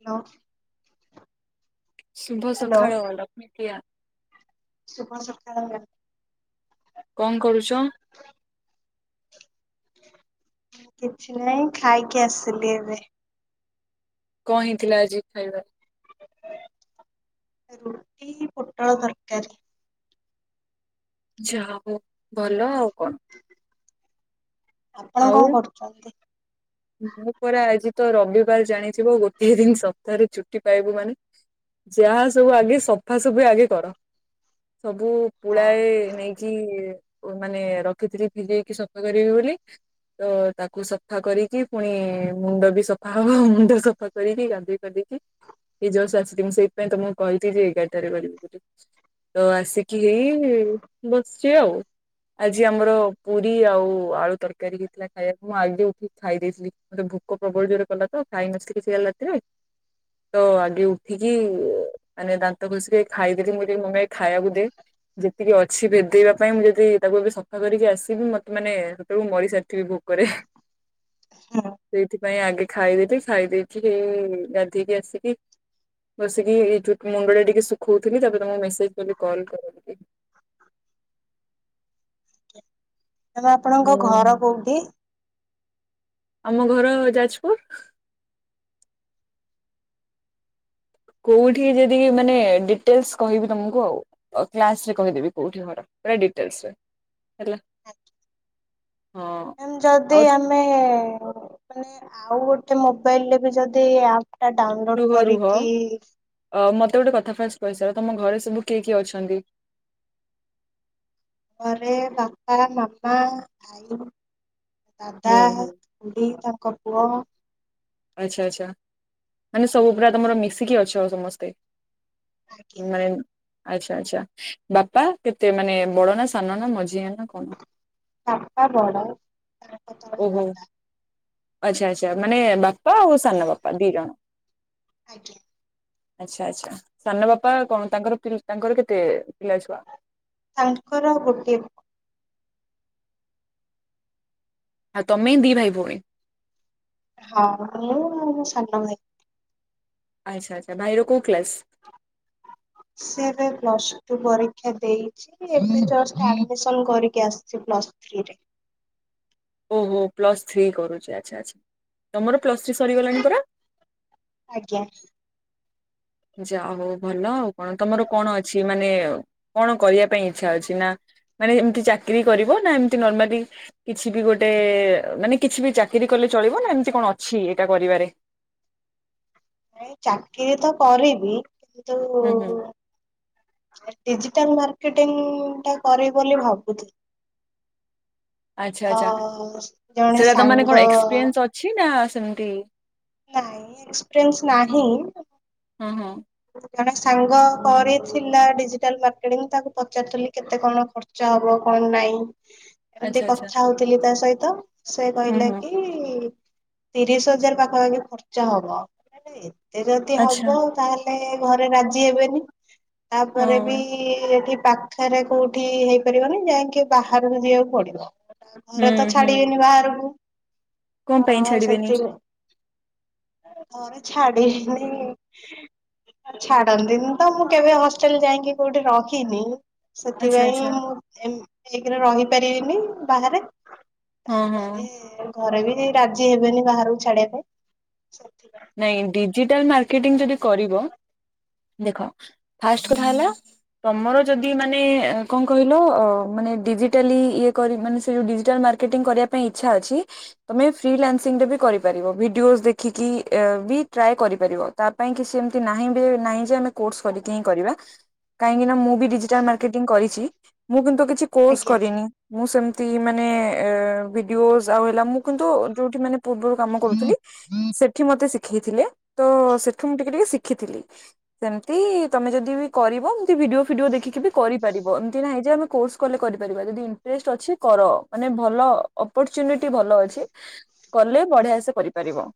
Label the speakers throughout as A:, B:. A: Hello.
B: ଶୁଭ ସକାଳ -ଲକ୍ଷ୍ମୀପ୍ରିୟା।
A: ଶୁଭ ସକାଳ
B: କଣ କରୁଛ?
A: କିଛି ନାହିଁ ଖାଇକି ଆସିଲି ଏବେ।
B: କଣ ହେଇଥିଲା ଆଜି ଖାଇବାରେ?
A: ରୁଟି, ପୋଟଳ ତରକାରୀ।
B: ଯାହା ହଉ ଭଲ ଆଉ କଣ।
A: ଆପଣ
B: ଆଉ,
A: କଣ କରୁଛନ୍ତି?
B: ମୁଁ ପରା ଆଜି ତ ରବିବାର ଜାଣିଥିବ, ଗୋଟଏ ଦିନ ସପ୍ତାହରେ ଛୁଟି ପାଇବୁ ମାନେ ଯାହା ସବୁ ଆଗେ ସଫା ସଫି ଆଗେ କର। ସବୁ
A: ହଁ
B: ପୁଳାଏ ନେଇକି ମାନେ ରଖିଥିଲି, ଭିଜେଇକି ସଫା କରିବି ବୋଲି ତ ତାକୁ ସଫା କରିକି ପୁଣି, ମୁଣ୍ଡ ବି ସଫା ହବ, ମୁଣ୍ଡ ସଫା କରିକି ଗାଧେଇପା ଧେଇକି ଏଇ ଜଶ୍ଟ ଆସିଲି, ମୁଁ ସେଇଥିପାଇଁ ତମ କ କହିଥିଲି ଯେ ଏଗାରଟାରେ କରିବି ବୋଲି। ତ ଆସିକି ହେଇ ବସିଛି ଆଉ। ଆଜି ଆମର ପୁରୀ ଆଉ ଆଳୁ ତର କାରି ହେଇଥିଲା ଖାଇବାକୁ, ମୁଁ ଆଗେ ଉଠିକି ଖାଇ ଦେଇଥିଲି ମୋତେ ଭୋକ ପ୍ରବଳ ଜୋରରେ କଲା ତ ଖାଇନଥିଲି କିଛି କାଲି ରାତିରେ। ତ ଆଗେ ଉଠିକି ମାନେ ଦାନ୍ତ ଘଷିକି ଆଗେ ଖାଇଦେଲି ମୁଁ କହିଲି ମମି ଆଗେ ଖାଇବାକୁ ଦେ ଯେତିକି ଅଛି ଭେଦେଇବା ପାଇଁ ମୁଁ ଯଦି ତାକୁ ଏବେ ସଫା କରିକି ଆସିବି, ମତେ ମାନେ ସେତେବେଳକୁ ମରି ଥିବି ଭୋକରେ,
A: ହୁଁ
B: ସେଇଥିପାଇଁ ଆଗେ ଖାଇଦେଲି, ଖାଇ ଦେଇେକି ଗାଧେଇକି ଆସିଲି। ବସିକି ମୁଣ୍ଡରେ ଟିକେ ଶୁଖଉଥିଲି ତାପରେ ତକୁ ମେସେଜ କ କଲ୍ କର ବୋଲି
A: [unintelligible] ଆମେ ଆପଣଙ୍କ
B: ହୁଁ
A: ଘର କୋଉଠି?
B: ଆମ ଘର ଯାଜପୁର। କୋଉଠି ଯଦି ମାନେ ଡିଟେଲସ କହିବି ତମକୁ ଆଉ କ୍ଲାସରେ କହିଦେବି କୋଉଠି ଘର। ପୁରା ଡିଟେଲସରେ ହେଲା।
A: ଆଜା [inaudible]
B: ହଁ
A: ଏମ ଯଦି
B: ଆଉ
A: ଆମେ ଏ ମାନେ ଆଉ ଗୋଟେ ମୋବାଇଲରେ ବି ଯଦି ଆପ ଟା ଡାଉନଲୋଡ
B: ରୁହ ରୁହ
A: କରିକି
B: ଅ ମତେ ଗୋଟେ କଥା ଫାର୍ଷ୍ଟ କହିସାର ତମ ଘରେ ସବୁ କିଏ କିଏ ଅଛନ୍ତି?
A: ଘରେ ବାପା, ମାମା, ଆଈ, ଦାଦା,
B: ହୁଁ ହୁଁ
A: ଖୁଡି ତାଙ୍କ ପୁଅ।
B: ଆଚ୍ଛା ଆଚ୍ଛା, ମାନେ ସବୁ ପୁରା ତମର ମିିଶିକି ଅଛ ଆଉ ସମସ୍ତେ।
A: ଆଜ୍ଞା
B: ନାଇଁ, ଆଚଛା ଆଚଛା ବାପା କେତେ ମାନେ ବଡ ନା ସାନ ନା ମଝିଆ ନା କଣ?
A: ଵାପା ବଡତାଙ୍କ ତଳେ
B: ଓହୋ
A: ଦାଦା।
B: ଆଚ୍ଛା ଆଚ୍ଛା ମାନେ ବାପା ଆଉ ସାନ ବାପା ଦି ଜଣ।
A: ଆଜ୍ଞା,
B: ଆଚ୍ଛା ଆଚ୍ଛା ସାନ ବାପା କଣ ତାଙ୍କର ତାଙ୍କର କେତେ ପିଲା ଛୁଆ?
A: ତାଙ୍କର ଗୋଟିଏ
B: ଆଉ ତମେ ଦି ଭାଇ ଭଉଣୀ।
A: ହଁ, ମୁଁ ସାନ ଭାଇ।
B: ଆଚ୍ଛା ଆଚ୍ଛା ଭାଇର କଉ କ୍ଲାସ।
A: ହ [unintelligible] ସେଏବେ ପ୍ଲସ ଟୁ ପରୀକ୍ଷା ଦେଇଚି ଏବେ ଜଷ୍ଟ୍ ଆଡ୍ ମିଶନ କରିକି ଆସିଛି ପ୍ଲସ ସ୍ [unintelligible]
B: ଉହୁଁ ପ୍ଲସ୍ ଥ୍ରୀ କରୁଛି, ଆଚ୍ଛା ଆଚ୍ଛା ତମର। ପ୍ଲସ ଥ୍ରୀ ସରି ଗଲାଣି ପରା।
A: ଆଜ୍ଞା
B: ଯା ହ ଭଲ ଆଉ କଣ ତମର କଣ ଅଛି ମାନେ କଣ କରିବା ପାଇଁ ଇଛା ଅଛି ନା? ମାନେ ଏମତି ଚାକିରୀ କରିବ ନା ଏମତି ନର୍ମାଲି କିଛି ବି ଗୋଟେ ମାନେ କିଛି ବି ଚାକିରି କଲେ ଚଳିବ ନା ଏମିତି କଣ ଅଛି ଏଇଟା କରିବାରେ।
A: ଏ ଚାକିରି ତ କରିବି କିନ୍ତୁ
B: ହୁଁ ହୁଁ
A: ଡିଜିଟାଲ ମାର୍କେଟିଂ ଟା କରେ ବୋଲି ଭାବୁଥିଲି।
B: ଆଚ୍ଛା ଆଚ୍ଛା
A: ଅ ଜଣେ
B: ସେଇଟା ତମ ମାନେ କଣ
A: ସାଙ୍ଗ
B: ଏକ୍ସପିରିଏନ୍ସ ଅଛି ନା ସେମିତି
A: ନାଇ ଏକ୍ସପିରିଏନ୍ସ ନାହିଁ।
B: ହଁ ହଁ
A: ଜଣେ ସାଙ୍ଗ କରିଥିଲା ଡିଜିଟାଲ ମାର୍କେଟିଂ ତାକୁ ପଚାରୁିଥିଲ କେତେ କଣ ଖର୍ଚ୍ଚ ହବ? କଣ କଣ ନାଇଁ ଏମତି
B: ଆଚ୍ଛା ଆଚ୍ଛା
A: କଥା ହଉଥିଲି ତା ସହିତ ସେ
B: ହଁ
A: କହିଲେ
B: ହଁ
A: କି ତିରିଶ ହଜାର ପାଖାପାଖି ଖର୍ଚ୍ଚ ହବ, ଏତେ ଯଦି
B: ଆଚ୍ଛା
A: ହବ ତାହେଲେ ଘରେ ରାଜି ହେବେନି ତାପରେ ବି
B: ହଁ
A: ଏଠି ପାଖରେ କୋଉଠି ହେଇପାରିବନି ଯାଇକି ବାହାରକୁ ଯିବାକୁ ପଡିବ।
B: ହୁଁ
A: ଘରେ ତ
B: ହୁଁ
A: ଛାଡିବେନି ବାହାରକୁ।
B: କଣ ପାଇଁ
A: ହଁ
B: ଛାଡିବେନି
A: ସେଥିପାଇଁ। ହ ଛାଡ଼ିନି। ଛାଡନ୍ତିନି ତ ମୁଁ କେବେ ହଷ୍ଟେଲ ଯାଇକି କୋଉଠି ରହିନି।
B: ଆଚ୍ଛା
A: ସେଥିପାଇଁ
B: ଆଚ୍ଛା
A: ମୁଁ ଏମତିଏକରେ ରହିପାରିବିନି ବାହାରେ।
B: ହଁ ହଁ
A: ତାପରେ ଘରେ ବି ରାଜି ହେବେନି ବାହାରକୁ ଛାଡିବା ପାଇଁ।
B: ନାଇଁ ଡିଜିଟାଲ ମାର୍କେଟିଂ ଯଦି କରିବ।
A: [unintelligible]
B: ଦେଖ ଫାଷ୍ଟ କଥା ହେଲା ତମର ଯଦି ମାନେ କଣ କହିଲ ମାନେ ଡିଜିଟାଲି ଇଏ କରି ମାନେ ସେ ଜଉ ଡିଜିଟାଲ ମାର୍କେଟିଙ୍ଗ କରିବାପାଇଁ ଇଛା ଅଛି ତମେ ଫ୍ରି ଲାଙ୍ଗସିଙ୍ଗ ରେ ବି କର ରି ପାରିବ ଭିଡିଓଜ ଦେଖିକି ବି ଟ୍ରାଏ କରିପାରିବ ତା ପାଇଁ କିଛି ଏମିତି ନାହିଁ ନାହିଁ ଯେ ଆମେ କୋର୍ସ କରିକି ହିଁ କରିବା। କାହିଁକି ନା ମୁଁ ବି ଡିଜିଟାଲ ମାର୍କେଟିଂ କରିଛି ମୁଁ କିନ୍ତୁ କିଛି କୋର୍ସ
A: ଆଜ୍ଞା।
B: କରିନି ମୁଁ ସେମତି ମାନେ ଭିଡିଓଜ ଆଉ ହେଲା ମୁଁ କିନ୍ତୁ ଯୋଉଠି ମାନେ ପୂର୍ବରୁ କାମ କରୁଥିଲି ସେ ମତେ ଶିଖେଇଥିଲେ ତ ସେଠି ମୁଁ ଟିକେ ଟିକେ ଶିଖିଥିଲି ସେମିତି ତମେ ଯଦି ବି କରିବ। ଏମିତି ଭିଡିଓ ଫିଡିଓ ଦେଖିକି ବି କରିପାରିବ ଏମତି ନାଁଇ ଯେ ଆମେ କୋର୍ସ କଲେ କରିପାରିବା ଯଦି ଇଣ୍ଟ୍ରେଷ୍ଟ୍ ଅଛି କର। ନାଇଁ ଭଲ ଅପରଚ୍ୟୁନିଟି ଭଲ ଅଛି କଲେ ବଢ଼ିଆ ସେ କରିପାରିବ।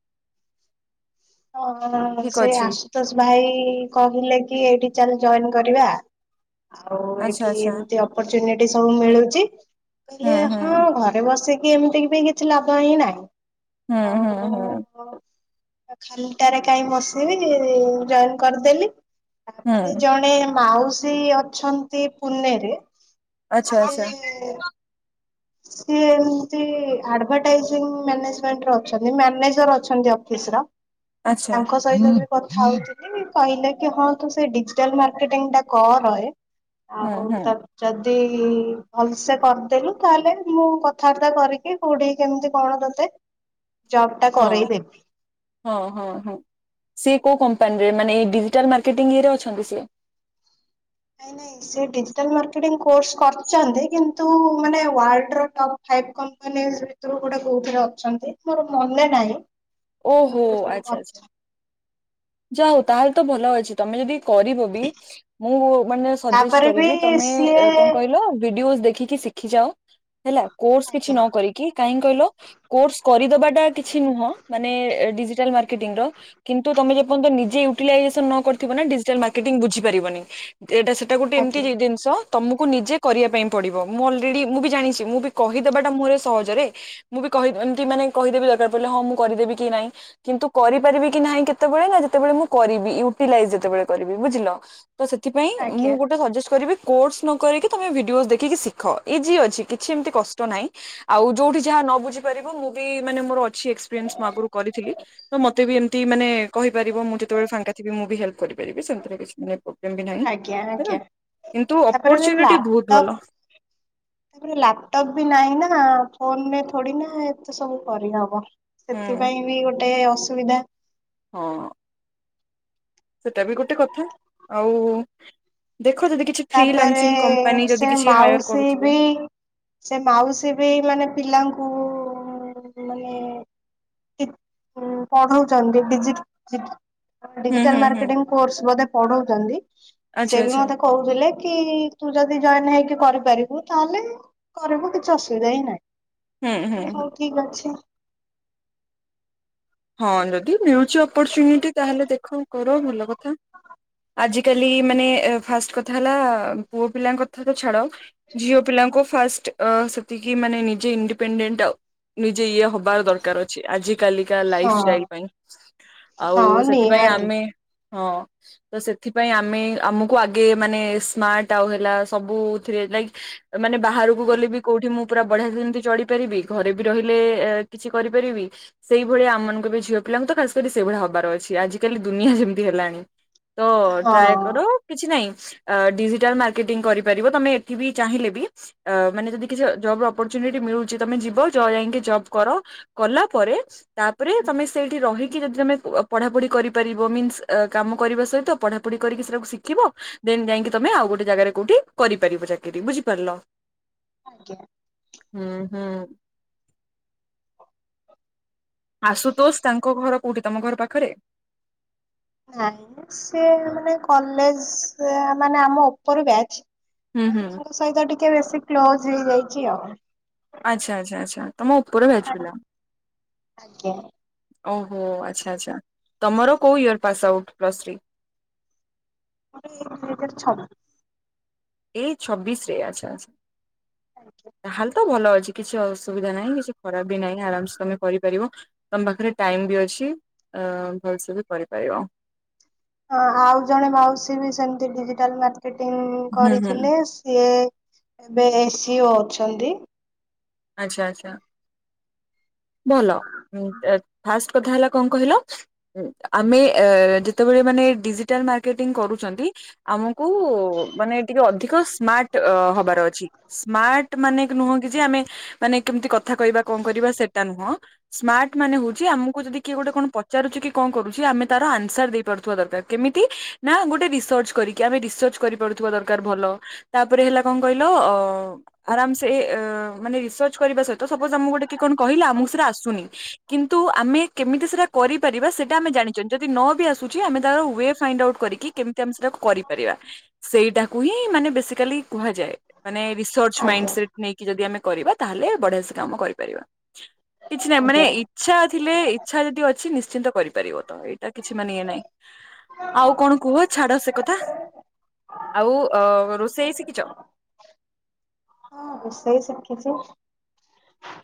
A: ହଁ
B: ଠିକ
A: ସେ
B: ଅଛି
A: ଆଶୁତୋଷ ଭାଇ କହିଲେ କି ଏଇଠି ଚାଲେ ଜଏନ କରିବା ଆଉ
B: ଆଚ୍ଛା
A: ଏଠି
B: ଆଚ୍ଛା
A: ଏମତି ଅପରଚ୍ୟୁନିଟ୍ ସବୁ ମିଳୁଛି।
B: ହୁଁ
A: କହିଲେ ହଁ
B: ହୁଁ।
A: ଘରେ ବସିକି ଏମିତି ବି କିଛି ଲାଭ ହିଁ ନାହିଁ।
B: ହୁଁ ହୁଁ ହୁଁ।
A: ଆଉ ଖାଲିଟାରେ କାଇଁ ବସିବି ଜଏନ୍ କରିଦେଲି ତାପରେ
B: ହୁଁ
A: ଜଣେ ମାଉସୀ ଅଛନ୍ତି ପୁନେ ରେ
B: ଆଚ୍ଛା ଆଚ୍ଛା।
A: ସିଏ ଏମିତି ଆଡଭାଟାଇଜି ମାନେଜମେଣ୍ଟ୍ ରେ ଅଛନ୍ତି ମ୍ୟାନେଜର ଅଛନ୍ତି ଅଫିସ ର।
B: ଆଚ୍ଛା
A: ତାଙ୍କ ସହିତ କଥା ହଉଥିଲି କହିଲେ କି ହଁ ତୁ ସେ ଡିଜିଟାଲ ମାର୍କେଟିଙ୍ଗ୍ ଟା କର।
B: ହୁଁ
A: ଆଉ
B: ହୁଁ
A: ତା ଯଦି ଭଲସେ କରିଦେଲୁ। ତାହେଲେ ମୁଁ କଥାବାର୍ତ୍ତା କରିକି କୋଉଠିକି କେମିତି କଣ ତୋତେ
B: ହଁ ହଁ ହଁ ହଁ ସେ କୋଉ କମ୍ପାନୀ ରେ ମାନେ ଡିଜିଟାଲେ ମାର୍କେଟିଙ୍ଗ୍ ରେ ଅଛନ୍ତି ସେ।
A: ନାଇଁ ନାଇଁ ସେ ଡିଜିଟାଲ ମାର୍କେଟିଙ୍ଗ୍ କୋର୍ସ କରିଚନ୍ତି କିନ୍ତୁ ମାନେ
B: ଆଚ୍ଛା।
A: ୱାଲଡ ର ଟପ୍ ଫାଇଭ୍ କଂପାନି ଭିତରୁ ଗୋଟେ କୋଉଥିରେ ଅଛନ୍ତି ମୋର ମନେ ନାହିଁ।
B: ଓହୋ
A: କିନ୍ତୁ
B: ଆଚ୍ଛା ଆଚ୍ଛା।
A: ଅଛନ୍ତି।
B: ଯାହା ହଉ ତାହେଲେ ତ ଭଲ ଅଛି ତମେ ଯଦି କରିବ ବି ମୁଁ ମାନେ ସଜେଷ୍ଟ୍
A: ତାପରେ ବି
B: କରିବି ତମେ
A: ସିଏ
B: କଣ କହିଲ ଭିଡିଓସ୍ ଦେ ଶିଖି ଶିଖି ଯାଅ ହେଲା କୋର୍ସ କିଛି
A: ଆଜ୍ଞା
B: ନ କରିକି କାହିଁ କହିଲ କୋର୍ସ କରିଦବାଟା କିଛି ନୁହଁ ମାନେ ଡିଜିଟାଲ ମାର୍କେଟିଂ ର କିନ୍ତୁ ତମେ [unintelligible] ନିଜେ ୟୁଟିଲାଇଜେସନ୍ ନ କରିଥିବ ନା ଡିଜିଟାଲ ମାର୍କେଟିଂ ବୁଝିପାରିବନି। ଏଇଟା ସେଟା ଗୋଟେ ଏମିତି
A: ଆଜ୍ଞା
B: ଜି ଜିନିଷ। ତମକୁ ନିଜେ କରିବା ପାଇଁ ପଡ଼ିବ ମୁଁ ଅଲରେଡି ମୁଁ ବି ଜାଣିଛି ମୁଁ ବି କହିଦେବାଟା ମୋରେ ସହଜରେ ମୁଁ ବି କହି ଏମତି ମାନେ କହିଦେବି ଦରକାର ପଡ଼ିଲେ ହଁ ମୁଁ କରିଦେବି କି ନାହିଁ କିନ୍ତୁ କରିପାରିବି କି ନାହିଁ କେତେ [unintelligible] ଯେତବେଳେ ମୁଁ କରିବି ୟୁଟିଲାଇଜ୍ ଯେତବେଳେ କରିବି ବୁଝିଲ। ତ ସେଥିପାଇଁ ମୁଁ
A: ଆଜ୍ଞା
B: ଗୋଟେ ସଜେଷ୍ଟ୍ କରିବି। କୋର୍ସ ନ କରିକି ତମେ ଭିଡିଓସ୍ ଦେଖିକି ଶିଖ ଇଜି ଅଛି କିଛି ଏମିତି କଷ୍ଟ ନାହିଁ ଆଉ ଯୋଉଠି ଯାହା ନ ବୁଝି ପାରିବ ମୁଁ ବି ମାନେ ମୋର ଅଛି ଏକ୍ସପିରିନ୍ସ୍ ମୁଁ ଆଗରୁ କରିଥିଲି ତ ମତେ ବି ଏମତି ମାନେ କହିପାରିବ ମୁଁ ଯେତେବେଳେ ଫାଙ୍କା ଥିବି ମୁଁ ବି ହେଲ୍ପ୍ କରିପାରିବି ସେମିତି କିଛି ମାନେ ପ୍ରୋବ୍ଲେମ ବି ନାହିଁ
A: ଆଜ୍ଞା
B: ହେଲା।
A: ଆଜ୍ଞା
B: କିନ୍ତୁ
A: ତାପରେ ବି
B: ଅପରଚ୍ୟୁନିଟ୍ ବହୁତ
A: ଲାପଟପ୍
B: ଭଲ।
A: ତାପରେ ଲାପଟପ୍ ବି ନାହିଁ ନା। ଫୋନ ରେ ଥୋଡି଼ ନା ଏତେ ସବୁ କରିହବ
B: ହୁଁ
A: ସେଥିପାଇଁ ବି ଗୋଟେ ଅସୁବିଧା।
B: ହଁ। ସେଟା ବି ଗୋଟେ କଥା ଆଉ। ଦେଖ ଯଦି କିଛି ଫ୍ରି
A: ତାପରେ
B: ଲାନସିଂ କମ୍ପାନୀ
A: ସେ
B: ଯଦି କିଛି ହାୟାର
A: ମାଉସୀ ବି
B: କରୁଥିବେ।
A: ସେ ମାଉସୀ ବି ମାନେ ପିଲାଙ୍କୁ ମାନେ ପଢଉଛନ୍ତି ପି, ଜି।
B: ହୁଁ ହୁଁ
A: ଡିଜିଟାଲ
B: ହୁଁ
A: ମାର୍କେଟିଙ୍ଗ୍ କୋର୍ସ ବୋଧେ ପଢ଼ଉଛନ୍ତି
B: ଆଚ୍ଛା
A: ସେ ବି
B: ଆଚ୍ଛା
A: ମତେ କହୁଥିଲେ କି ତୁ ଯଦି ଜଏନ୍ [unintelligible] କରିପାରିବୁ ତାହେଲେ କରିବୁ କିଛି ଅସୁବିଧା ହିଁ
B: ହୁଁ ହୁଁ
A: ନାହିଁ
B: ହୁଁ
A: ହଉ ଠିକ୍ ଅଛି।
B: ହଁ ଯଦି ମିଳୁଛି ଅପରଚୁନିଟି ତାହେଲେ ଦେଖ କର ଭଲ କଥା। ଆଜ କାଲି ମାନେ ଫାଷ୍ଟ୍ କଥା ହେଲା ପୁଅ ପିଲାଙ୍କ କଥା ତ ଛାଡ଼। ଝିଅ ପିଲାଙ୍କୁ ଫାଷ୍ଟ୍ ସେତିକି ମାନେ ନିଜେ ‍ ଇଣ୍ଡିପେଣ୍ଡେଣ୍ଟ୍ ନିଜେ ଇଏ ହବ। ହେବା ଦରକାର ଅଛି ଆଜି କାଲି ଲାଇଫ୍
A: ହଁ
B: ଷ୍ଟାଇଲ୍ ପାଇଁ ଆଉ
A: ହଁ
B: ସେଥିପାଇଁ
A: ନିହାତି
B: ଆମେ ହଁ ତ ସେଥିପାଇଁ ଆମେ ଆମକୁ ଆଗେ ମାନେ ସ୍ମାର୍ଟ ଆଉ ହେଲା ସବୁଥିରେ ଲ ମାନେ ବାହାରକୁ ଗଲେ ବି କୋଉଠି ମୁଁ ପୁରା ବଢିଆ ଯେମିତି ଚଢପାରିବି ଘରେ ବି ରହିଲେ କିଛି କିଛି କରିପାରିବି। ସେଇଭଳିଆମମାନଙ୍କୁ ଏବେ ଝିଅ ପିଲାଙ୍କୁ ତ ଖାସ କରି ସେଇଭଳିଆ ହବାର ଅଛି ଆଜିିକାଲି ଦୁନିଆ ଯେମିତି ହେଲାଣି। ତ
A: ହଁ
B: ଟ୍ରାଏ କର
A: ଆଜ୍ଞା।
B: କିଛି ନାହିଁ। ଅ ଡିଜିଟାଲ ମାର୍କେଟିଙ୍ଗ କରିପାରିବ ତମେ ଏଠି ବି ଚାହିଁଲେ ବି ମାନେ ଯଦି କିଛି ଜବ ଅପର୍ ଚୁନି ଏଠି ମିଳୁଛି ତମେ ଯିବ ଯାଇକି ଜବ୍ କର କଲା ପରେ ତାପରେ ତମେ ସେଇଠି ରହିକି ଯଦି ତମେ ପଢାପଢି କରିପାରିବ ମିନ୍ସ କାମ କରିବା ସହିତ ପ ପଢ଼ା ପଢ଼ି କରିକି ଶିଖିବ ଦେନ ଯାଇକି ତମେ ଆଉ ଗୋଟେ ଜାଗାରେ କୋଉଠି କରିପାରିବ ଚାକିରି ବୁଝିପାରିଲ।
A: ଆଜ୍ଞା।
B: ହୁଁ ହୁଁ। ଆଶୁତୋଷ ତାଙ୍କ ଘର କୋଉଠି ତମ ଘର ପାଖରେ?
A: ନାଇ ମ ସେ ମାନେ କଲେଜ ମାନେ ଆମ ଉପର ବ୍ୟାଚ୍।
B: ହୁଁ ହୁଁ
A: ତାଙ୍କ ସହିତ ଟିକେ ବେଶୀ କ୍ଲୋଜ ହେଇଯାଇଛି ଆଉ।
B: ଆଚ୍ଛା ଆଚ୍ଛା ଆଚ୍ଛା ତମ ଉପର ବ୍ୟାଚ୍ଚ ପିଲା।
A: ଆଜ୍ଞା।
B: ଓହୋ ଆଚ୍ଛା ଆଛା ତମର କୋଉ ୟର୍ଥ? Pass out plus three?
A: [unintelligible]
B: ଏଇ ଛବିଶରେ ଆଛା ଆଛ ତାହେଲ ତ ଭଲ ଅଛି। କିଛି ଅସୁବିଧା ନାହିଁ କିଛି ଖରାପ ବି ନାହିଁ ଆରାମସ ତମେ କରିପାରିବ ତମ ପାଖରେ ଟାଇମ ବି ଅଛି। ଅ ଭଲସେ ବି କରିପାରିବ।
A: ହଁ ଆଉ ଜଣେ ମାଉସୀ ବି ସେମତି ଡିଜିଟାଲ ମା ଟି
B: ହୁଁ ହୁଁ
A: କରିଥିଲେ ସିଏ ଏବେ ଏସି ଓ ଅଛନ୍ତି।
B: ଆଛା ଆଚ୍ଛା।
A: [inaudible]
B: ଭଲ ଉଁ ଦେତ୍ ଫାଷ୍ଟ କଥା ହେଲା କଣ କହିଲ ଉଁ ଆମେ ଏ ଯେତେବେଳେ ମାନେ ଏଡିଜିଟାଲ ମାର୍କେଟିଙ୍ଗ କରୁଛନ୍ତି ଆମ କୁ ମାନେ ଟିକେ ଅଧିକ ସ୍ମାର୍ଟ ହବାର ଅଛି। ସ୍ମାର୍ଟ ମାନେ ନୁହଁ କି ଯେ ଆମେ ମାନେ କେମିତି କଥା କହିବା କଣ କରିବା ସେଟା ନୁହଁ ସ୍ମାର୍ଟ ମାନେ ହଉଛି ଆମକୁ ଯଦି କିଏ ଗୋଟେ କଣ ପ ପଚାରୁଚି କି କଣ କରୁଛି ଆମେ ତାର ଆନ୍ସର ଦେଇପାରୁଥିବା ଦରକାର କେମିତି ନା ଗୋଟେ ରିସର୍ଚ୍ଚ କରିକି ଆମେ ରିସ କରିପାରୁଥିବା ଦରକାର ଭଲ ତାପରେ ହେଲା କଣ କହିଲ ଆରମ୍ ସେ ମନେ ରିସର୍ଚ୍ଚ କରିବା ସହିତ ସପୋଜ ଆମକୁ ଗୋଟେ କିଏ କଣ କହିଲା ଆମକୁ ସେଟା ଆସୁନି କିନ୍ତୁ ଆମେ କେମିତି ସେଟା କ କରିପାରିବା ସେଇଟା ଆମେ ଜାଣିଛଛନ୍ତି ଯଦି ନ ବି ଆସୁଛି ଆମେ ତାାର ୱେ ଫାଇଣ୍ଡ ଆଉଟ୍ କରିକି କେମିତି ଆମେ ସେଟା କରିପାରିବା। ସେଇଟାକୁ ହିଁ ମାନେ ବେସିକାଲି କୁହାଯାଏ, ମାନେ ରିସଚ ମାଇ
A: ଆଜ୍ଞା
B: ସେଟ ନେଇକି ଯଦି ଆମେ କରିବା ତାହେଲେ ବଢିଆ ସେ କାମ କରିପାରିବା କିଛି ନାହିଁ ମାନେ
A: ଆଜ୍ଞା।
B: ଇଛା ଥିଲେ ଇଚ୍ଛା ଯଦି ଅଛି ନିଶ୍ଚିନ୍ତ କରିପାରିବ ତମ ଏଇଟା କିଛି ମାନେ ଇଏ ନହିଁ। ଆଉ କଣ କୁହ? ଛାଡ ସେ କଥା। ଆଉ ଅ ରୋଷେଇ ଶିଖିଛ?
A: ହ ରୋଶେଇ ଶିଖିଚି।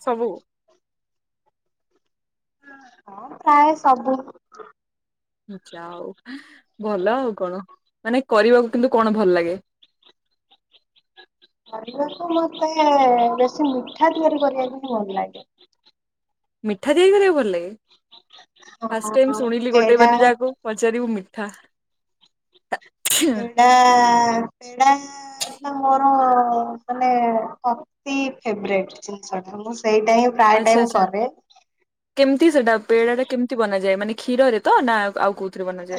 B: ସବୁ?
A: ହଁ ପ୍ରାୟ ସବୁ।
B: ଯା ହଉ ଭଲ ଆଉ କଣ? ମାନେ କରିବାକୁ କିନ୍ତୁ କଣ ଭଲ ଲାଗେ?
A: [unintelligible] [unintelligible] ମିଠା ତିଆରି କରିବାକୁ ଭଲ ଲାଗେ।
B: ମିଠା ତିଆରି କରିବାକୁ ଭଲ ଲାଗେ ଫାଷ୍ଟ ଟାଇମ
A: ହଁ
B: ଶୁଣିଲି ଗୋଟେ
A: ପେଡା
B: ମାନେ ଯାହାକୁ ପଚାରିବୁ ମି ହା ହା।
A: ପେଡ଼ା ପେଡା ଟା ମୋର ଫେବୋରାଇଟ ଜିନିଷ ଟା ମୁଁ ସେଇଟା ହିଁ ପ୍ରାୟ
B: ଆଚ୍ଛା
A: ଟାଇମ
B: ଆଚ୍ଛା
A: କରେ।
B: କେମିତି ସେଟା ପେଡା ଟା କେମିତି ବନାଯାଏ ମାନେ କ୍ଷୀରରେ ତ ନା ଆଉ କଉ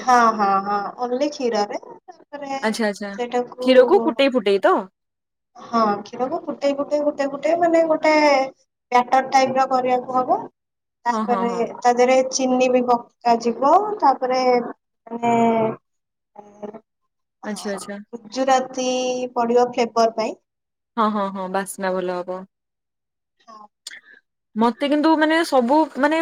A: ହଁ ହଁ ହଁ ଓଁଲି ଖୀରରେ।
B: ଆଚ୍ଛା ଆଚ୍ଛା
A: ସେଟାକୁ
B: କ୍ଷୀରକୁ ଫୁଟେଇ ଫୁଟେଇ ତ
A: ହଁ କ୍ଷୀରକୁ ଫୁଟେଇ ଫୁଟେଇ ଫୁଟେଇ ଫୁଟେଇ ମାନେ ଗୋଟେ ଗୋଟେ ବ୍ୟାଟର୍ ଟାଇପ ର କରିବାକୁ ହବ
B: ହଁ ହଁ
A: ତାପରେ
B: ହଁ
A: ତା ଦେହରେ ଚିନି ବି ପକାଯିବ ତାପରେ ମାନେ
B: ଆଚ୍ଛା ଆଚ୍ଛା।
A: ଗୁଜୁରାତି ପଡିବ ଫେବର୍ର ପାଇଁ।
B: ହଁ ହଁ ହଁ ବାସ୍ନା ଭଲ ହବ।
A: ହଁ
B: ମତେ କିନ୍ତୁ ମାନେ ସବୁ ମାନେ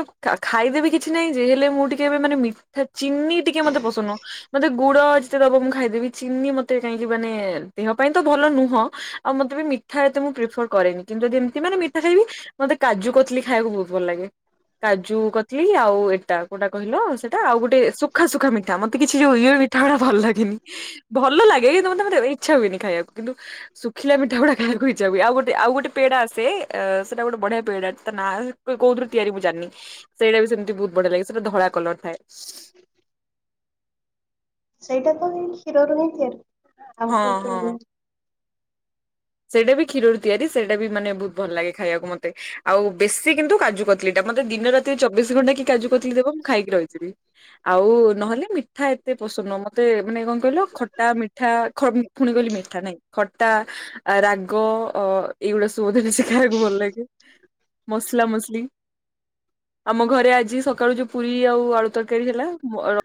B: ଖାଇଦେବି କିଛି ନାହିଁ ଯେ ହେଲେ ମୁଁ ଟିକେ ଏବେ ମାନେ ମିଠାଚି ଚିନି ଟିକେ ମତେ ପସନ୍ଦ ନୁହ ମୋେ ଗୁଡ ଯେତେ ଦବ ମୁଁ ଖାଇଦେବି ଚିନି ମତେ କାହିଁକି ମାନେ ଦେହ ପାଇଁ ତ ଭଲ ନୁହଁ ଆଉ ମତେ ବି ମିଠା ଏତେ ବି ମୁଁ ପ୍ରିଫର କରେନି କିନ୍ତୁ ଯେ ଏମତି ମାନେ ମିଠା ଖାଇବି ମତେ କାଜୁ କତଲି ଖାଇବାକୁ ବହୁତ ଭଲ ଲାଗେ। କାଜୁ କଥିଲି ଆଉ ଏଟା କୋଉଟା କହିଲ ସେଇଟା ଆଉ ଗୋଟେ ସୁଖା ସୁୁଖା ମିଠା ମତେ କିଛି ଯୋଉ ଇଓ ମିଠାୁଗୁଡା ଭଲ ଲାଗେନି ଭଲ ଲାଗେ, ମତେ ମତେ ଇଛା ହୁଏନି ଖାଇବାକୁ କିନ୍ତୁ ଶୁଖିଲା ମିଠାଗୁଡା ଖ ଇଛାହୁଏ ଆଉ ଗୋଟେ ଆଉ ଗୋଟେ ପେଡାସେ ଆସେ ଏଇଟା ଗଟେ ବଢିଆ ପେଡା ତା ନା କଉତିରୁ ତିଆରି ମୁଁ ଜାଣିନି ସେଇଟା ସେମତିହୁ ବଢି ଲାଗେ ସେଟା ଧଳା କଲର ଥାଏ।
A: ସେଇଟା ତ ଏ କ୍ଷୀରରୁ ହିଁ ତିଆରି
B: ହଁ
A: ଆଉ
B: ହଁ।
A: କରୁ
B: ସେଇଟା ବି କ୍ଷୀରରୁ ତିଆରି ସେଇଟା ବି ମାନେ ବହୁତ ଭଲ ଲାଗେ ଖାଇବାକୁ ମତେ ଆଉ ବେଶୀ କିନ୍ତୁ କାଜୁ କ ଟା ମତେ ଦିନ ରାତିରେ ଚବିଶ ଘଣ୍ଟା କି କାଜୁ କତଲିୀ ଦେବ ମୁଁ ଖାଇକି ରହିଥିବି ଆଉ ନହେଲେ ମିଠା ଏତେ ପସନ୍ଦ ନୁହ ମତେ ମାନେ କଣ କହିଲ ଖଟା ମିଠା ଖାଁ ପୁଣି କହିଲି ମିଠା ନାଇଁ ଖ ତା ରାଗ ଅ ଏଇଗୁଡା ସବୁ ବୋଧେ ସେ ଖାଇବାକୁ ଭଲ ଲାଗେ। ମସଲା ମସଲି ଆମ ଘରେ ଆଜି ସକାଳୁ ଯଉ ପୁରୀ ଆଉ ଆଳୁ ତରକାରୀ ହେଲା